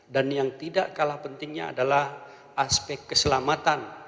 dan yang tidak kalah pentingnya adalah aspek keselamatan